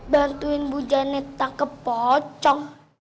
bantuin bu janet tak ke pocong